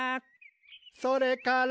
「それから」